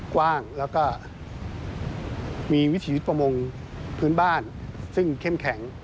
กว้างแล้วก็มีวิถีชีวิตประมงพื้นบ้านซึ่งเข้มแข็ง